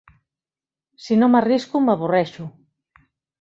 Si no m'arrisco m'avorreixo.